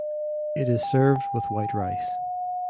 It is served with white rice.